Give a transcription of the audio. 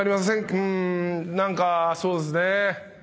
うーん何かそうですね。